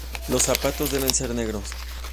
Los zapatos deben ser negros.